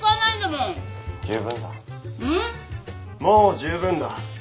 もう十分だ。